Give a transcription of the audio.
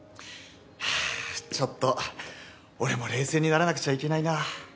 はぁちょっと俺も冷静にならなくちゃいけないな。